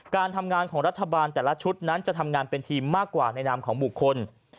การทำงานของรัฐบาลแต่ละชุดนั้นจะทำงานเป็นทีมมากกว่าในนามของบุคคล